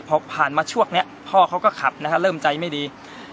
พอผ่านมาช่วงนี้พ่อเขาก็ขับนะฮะเริ่มใจไม่ดี